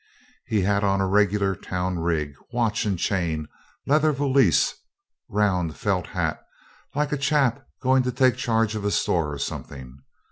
He had on a regular town rig watch and chain, leather valise, round felt hat, like a chap going to take charge of a store or something.